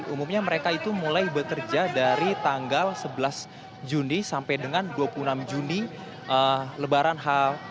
umumnya mereka itu mulai bekerja dari tanggal sebelas juni sampai dengan dua puluh enam juni lebaran h dua